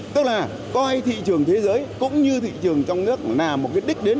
tức là coi thị trường thế giới cũng như thị trường trong nước là một cái đích đến